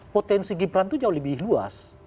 potensi gibran itu jauh lebih luas